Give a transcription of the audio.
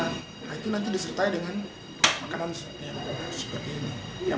nah itu nanti disertai dengan makanan sagu